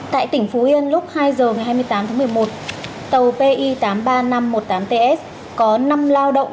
tại tỉnh phú yên lúc hai giờ ngày hai mươi tám tháng một mươi một tàu pi tám mươi ba nghìn năm trăm một mươi tám ts có năm lao động